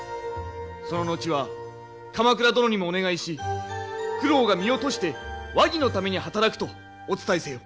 その後は鎌倉殿にもお願いし九郎が身を賭して和議のために働くとお伝えせよ。